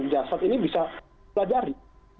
jasad ini bisa pelajari